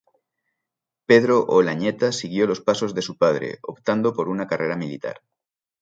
Pedro Olañeta siguió los pasos de su padre, optando por una carrera militar.